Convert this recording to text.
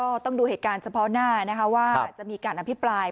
ต้องดูเหตุการณ์เฉพาะหน้านะคะว่าจะมีการอภิปราย